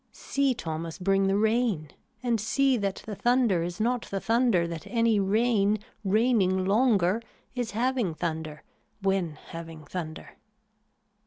See Thomas bring the rain and see that the thunder is not the thunder that any rain raining longer is having thunder when having thunder.